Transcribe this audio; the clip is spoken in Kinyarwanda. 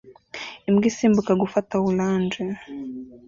Imbwa isimbuka gufata orange